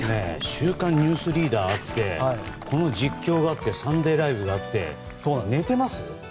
「週刊ニュースリーダー」があって、この実況があって「サンデーＬＩＶＥ！！」があって、寝てます？